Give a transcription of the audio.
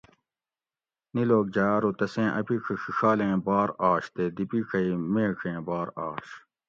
نی لوک جاۤ ارو تسیں ا پِیڄہ ڛِڛالیں بار آش تے دی پِیڄہ ای میڄیں بار آش